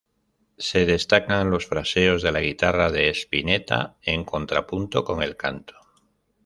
Se destacan los fraseos de la guitarra de Spinetta en contrapunto con el canto.